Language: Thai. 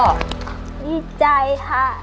ดีใจค่ะ